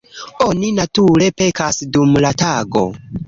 Oni, nature, pekas dum la tago.